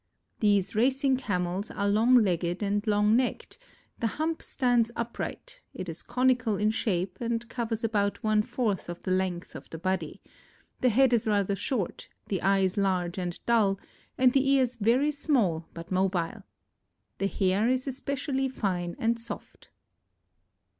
These racing Camels are long legged and long necked, the hump stands upright; is conical in shape and covers about one fourth of the length of the body; the head is rather short, the eyes large and dull, and the ears very small but mobile. The hair is especially fine and soft.